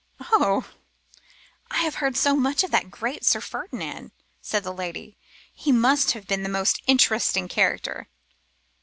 'Oh! I have heard so much of that great Sir Ferdinand,' said the lady. 'He must have been the most interesting character.